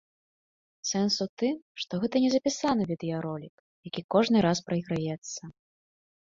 Сэнс у тым, што гэта не запісаны відэаролік, які кожны раз прайграецца.